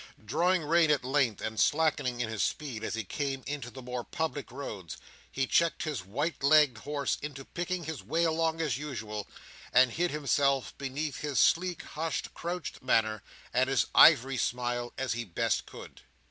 Drawing rein at length, and slackening in his speed, as he came into the more public roads, he checked his white legged horse into picking his way along as usual, and hid himself beneath his sleek, hushed, crouched manner, and his ivory smile, as he best could.